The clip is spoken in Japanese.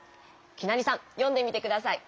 きなりさんよんでみてください。